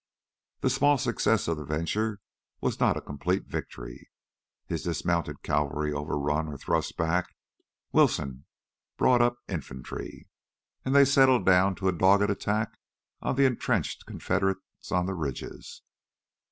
The small success of the venture was not a complete victory. His dismounted cavalry overrun or thrust back, Wilson brought up infantry, and they settled down to a dogged attack on the entrenched Confederates on the ridges.